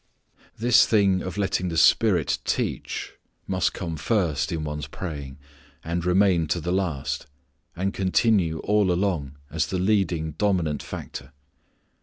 This thing of letting the Spirit teach must come first in one's praying, and remain to the last, and continue all along as the leading dominant factor.